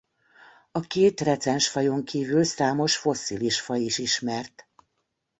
A két recens fajon kívül számos fosszilis faj is ismert.